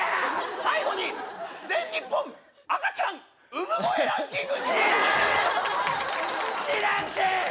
最後に全日本赤ちゃん産声ランキング。